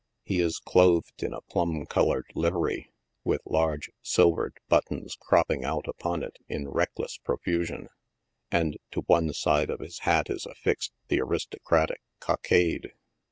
He is clothed in a plum colored livery, with large silvered buttons cropping out upon it in reckless profusion, and to one side of his hat is affixed the aristo cratic " cockade."